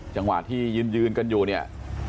จังหวะที่ยืนกันอยู่เนี่ย